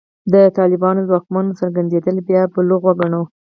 د طالبانو ځواکمن څرګندېدل باید بلوغ وګڼو.